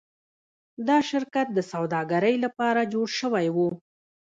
دا شرکت د سوداګرۍ لپاره جوړ شوی و.